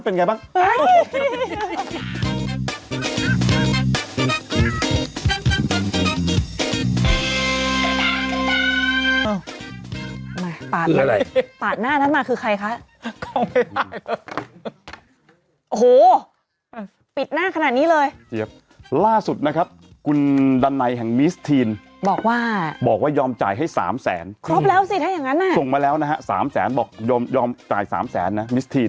โอ้โหปิดหน้าขนาดนี้เลยเทียบล่าสุดนะครับกุญดันไนย์แห่งบอกว่าบอกว่ายอมจ่ายให้สามแสนเค็มแล้วสิถ้าอย่างงั้นส่งมาแล้วนะฮะสามแสนบอกยอมยอมจ่ายสามแสนน่ะ